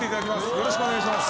よろしくお願いします